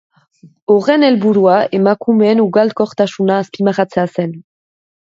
Horren helburua emakumeen ugalkortasuna azpimarratzea zen.